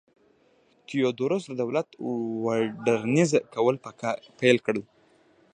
تیودوروس د دولت م وډرنیزه کول پیل کړل.